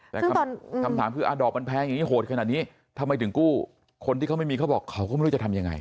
แต่คำถามคือดอกมันแพงอย่างนี้โหดขนาดนี้ทำไมถึงกู้คนที่เขาไม่มีเขาบอกเขาก็ไม่รู้จะทำยังไง